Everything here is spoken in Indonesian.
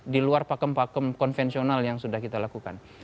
di luar pakem pakem konvensional yang sudah kita lakukan